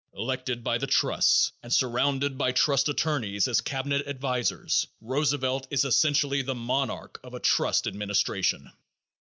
Elected by the trusts and surrounded by trust attorneys as cabinet advisers, Roosevelt is essentially the monarch of a trust administration.